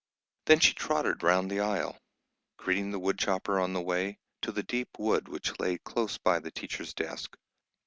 Then she trotted round the aisle, greeting the woodchopper on the way, to the deep wood which lay close by the teacher's desk.